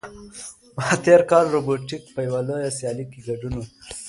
ما تېر کال د روبوټیک په یوه لویه سیالۍ کې ګډون وکړ.